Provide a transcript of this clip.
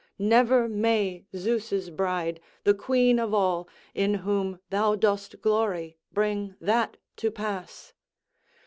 Never may Zeus' bride, the queen of all, in whom thou dost glory, bring that to pass.